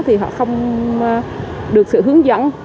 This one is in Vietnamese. thì họ không được sự hướng dẫn